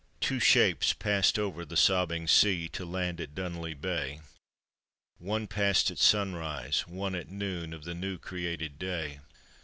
Two shapes passed over the sobbing sea To land at Dunolly bay ; One passed at sunrise, one at noon Of the new created day.